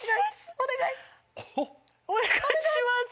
お願いします！